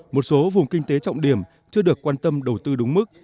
một số vùng kinh tế trọng điểm chưa được quan tâm đầu tư đúng mức